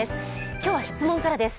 今日は、質問からです。